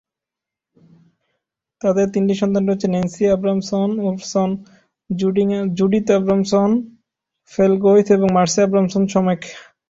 তাদের তিনটি সন্তান রয়েছে: Nancy Abramson Wolfson, Judith Abramson Felgoise এবং মার্সি অ্যাব্রামসন শোমেকে।